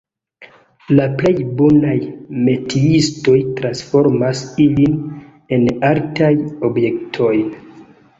La plej bonaj metiistoj transformas ilin en artaj objektojn.